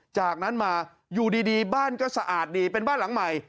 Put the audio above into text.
จากนั้นมาอยู่ดีบ้านก็สะอาดดีเป็นบ้านหลังใหม่